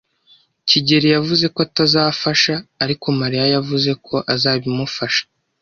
kigeli yavuze ko atazafasha, ariko Mariya yavuze ko azabimufasha.